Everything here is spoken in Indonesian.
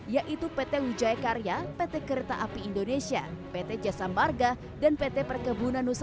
yaitu pt wijaya karya pt kereta api indonesia pt jasa marga dan pt perkebunan nusantara